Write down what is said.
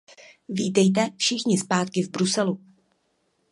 Vítejte všichni zpátky v Bruselu.